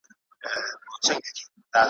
عمر تیر دننګیالي سو.